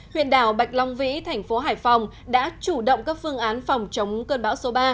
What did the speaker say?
huyện đảo bạch long vĩ thành phố hải phòng đã chủ động các phương án phòng chống cơn bão số ba